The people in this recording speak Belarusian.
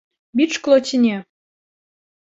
Біць шкло ці не?